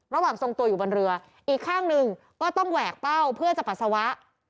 ระหว่างทรงตัวอยู่บนเรืออีกข้างหนึ่งก็ต้องแหวกเป้าเพื่อจะปัสสาวะ